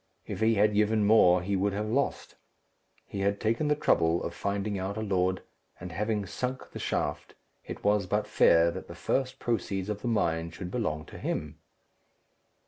If he had given more, he would have lost. He had taken the trouble of finding out a lord; and having sunk the shaft, it was but fair that the first proceeds of the mine should belong to him.